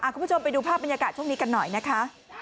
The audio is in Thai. คุณผู้ชมไปดูภาพบรรยากาศช่วงนี้กันหน่อยนะคะ